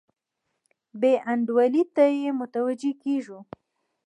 بې انډولۍ ته یې متوجه کیږو.